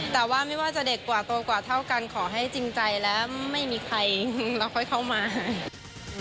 แต่ว่าไม่ว่าจะเด็กกว่าโตกว่าเท่ากันขอให้จริงใจและไม่มีใครเราค่อยเข้ามา